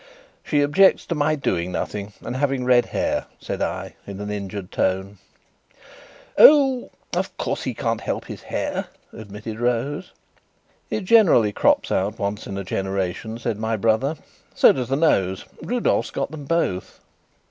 "She objects to my doing nothing and having red hair," said I, in an injured tone. "Oh! of course he can't help his hair," admitted Rose. "It generally crops out once in a generation," said my brother. "So does the nose. Rudolf has got them both."